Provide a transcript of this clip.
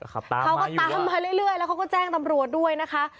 เขาก็ตามมาเรื่อยแล้วเขาก็แจ้งตำรวจด้วยนะคะ